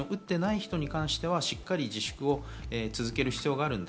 打っていない人に関してはしっかり自粛を続ける必要があるんだ。